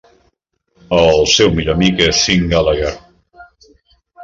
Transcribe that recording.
El seu millor amic és Sean Gallagher.